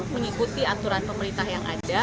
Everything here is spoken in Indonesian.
mengikuti aturan pemerintah yang ada